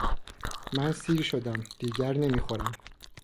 من سیر شدم دیگر نمیخورم